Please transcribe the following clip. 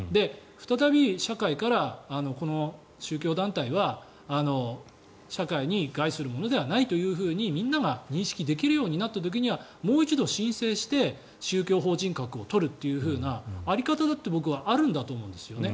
再び社会からこの宗教団体は社会に害するものではないというふうにみんなが認識できるようになった時にはもう一度申請して宗教法人格を取るというような在り方だって僕はあると思うんですよね。